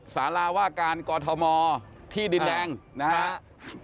สาราว่าการกอทมที่ดินแดงนะครับ